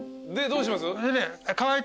でどうします？